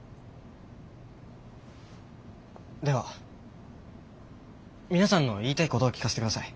では皆さんの言いたいことを聞かせてください。